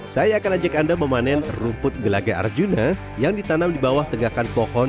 saya akan ajak anda memanen rumput gelaga arjuna yang ditanam di bawah tegakan pohon